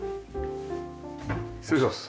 失礼します。